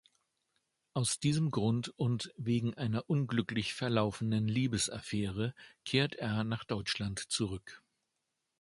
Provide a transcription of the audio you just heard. Aus diesem Grund und wegen einer unglücklich verlaufenen Liebesaffäre kehrte er nach Deutschland zurück.